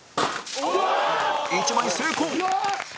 １枚成功！